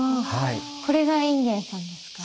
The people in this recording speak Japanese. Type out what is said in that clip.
これが隠元さんですか？